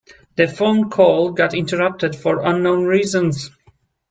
The phone call got interrupted for unknown reasons.